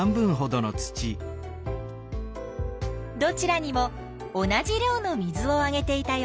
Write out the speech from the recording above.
どちらにも同じ量の水をあげていたよ。